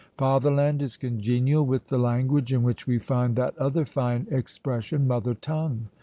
FATHER LAND is congenial with the language in which we find that other fine expression MOTHER TONGUE.